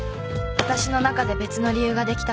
わたしの中で別の理由ができたから